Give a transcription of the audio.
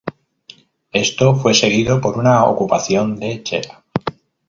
Esto fue seguido por una ocupación de Chera.